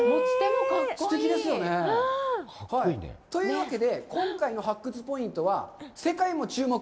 すてきですよね？というわけで、今回の発掘ポイントは、世界も注目！